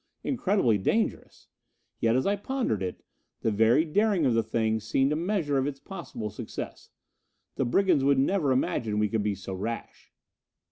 Incredibly dangerous! Yet, as I pondered it, the very daring of the thing seemed the measure of its possible success. The brigands would never imagine we could be so rash!